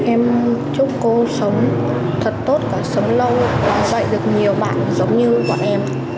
em chúc cô sống thật tốt và sống lâu và dạy được nhiều bạn giống như bọn em